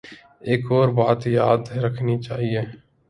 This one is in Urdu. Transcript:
ایک اور بات یاد رکھنی چاہیے۔